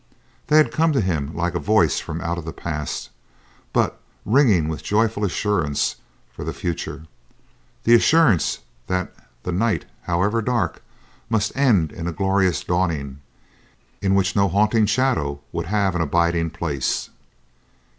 They had come to him like a voice from out the past, but ringing with joyful assurance for the future; the assurance that the night, however dark, must end in a glorious dawning, in which no haunting shadow would have an abiding place.